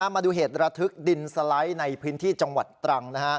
มาดูเหตุระทึกดินสไลด์ในพื้นที่จังหวัดตรัง